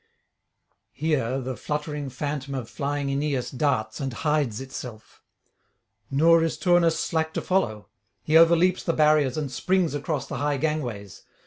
Here the fluttering phantom of flying Aeneas darts and hides itself. Nor is Turnus slack to follow; he overleaps the barriers and springs across the high gangways.